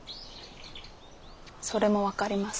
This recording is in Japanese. それも分かります。